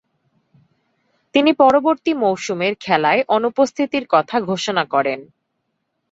তিনি পরবর্তী মৌসুমের খেলায় অনুপস্থিতির কথা ঘোষণা করেন।